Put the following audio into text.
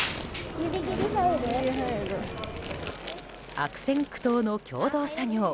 悪戦苦闘の共同作業。